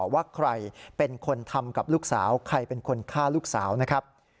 ว่าใครเป็นคนทำกับลูกสาวใครเป็นคนฆ่าลูกสาวนะครับ